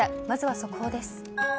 まずは速報です。